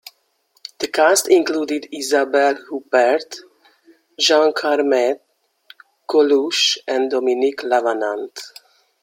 The cast included Isabelle Huppert, Jean Carmet, Coluche and Dominique Lavanant.